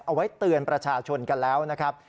เอาไว้เตือนประชาชนกันแล้วนะครับ